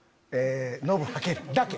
「ノブはける」だけ。